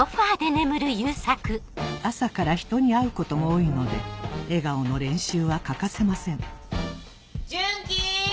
朝から人に会うことも多いので笑顔の練習は欠かせません順基？